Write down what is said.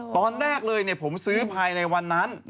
ตอนแรกเลยผมซื้อภายในวันนั้น